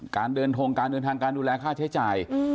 การเดินทงการเดินทางการดูแลค่าใช้จ่าย